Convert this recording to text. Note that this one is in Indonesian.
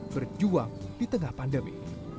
berjuang di tengah pandemi